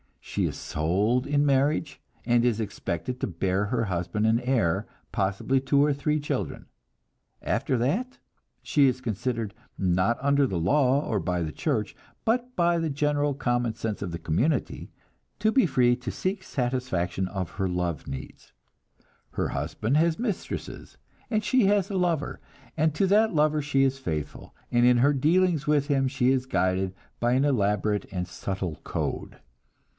She is sold in marriage, and is expected to bear her husband an heir, possibly two or three children. After that, she is considered, not under the law or by the church, but by the general common sense of the community, to be free to seek satisfaction of her love needs. Her husband has mistresses, and she has a lover, and to that lover she is faithful, and in her dealings with him she is guided by an elaborate and subtle code.